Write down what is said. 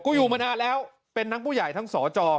อยู่มานานแล้วเป็นทั้งผู้ใหญ่ทั้งสอจอ